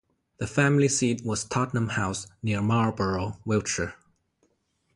The family seat was Tottenham House, near Marlborough, Wiltshire.